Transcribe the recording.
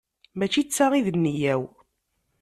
Mačči d ta i d nneyya-w.